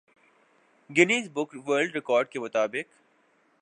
Guinness book world record کے مطابق